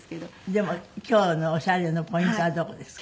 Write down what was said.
でも今日のオシャレのポイントはどこですか？